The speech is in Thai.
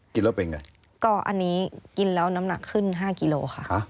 เคยค่ะอันนี้กินแล้วน้ำหนักขึ้น๕กิโลค่ะ